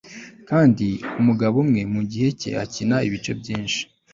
Kandi umugabo umwe mugihe cye akina ibice byinshi